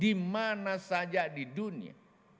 dimana saja di dunia